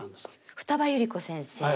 二葉百合子先生